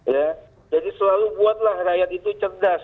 jadi selalu buatlah rakyat itu cerdas